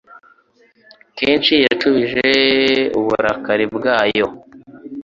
kenshi yacubije uburakari bwayo